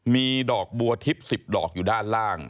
มีดอกบัวทิพย์๑๐ดอกอยู่ด้านล่าง